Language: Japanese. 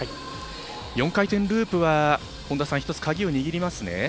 ４回転ループは一つ鍵を握りますね。